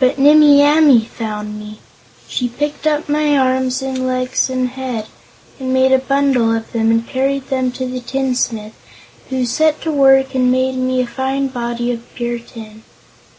"But Nimmie Amee found me. She picked up my arms and legs and head, and made a bundle of them and carried them to the tinsmith, who set to work and made me a fine body of pure tin.